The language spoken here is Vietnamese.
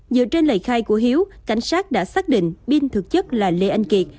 dựa trên lời khai của hiếu cảnh sát đã xác định binh thực chất là lê anh kiệt